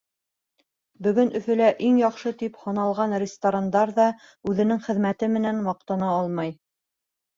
Бөгөн Өфөлә иң яҡшы тип һаналған ресторандар ҙа үҙенең хеҙмәте менән маҡтана алмай.